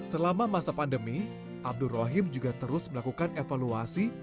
selama masa pandemi abdur rahim juga terus melakukan evaluasi